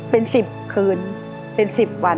เป็นสิบคืนเป็นสิบวัน